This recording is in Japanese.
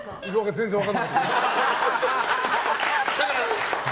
全然分からなかった。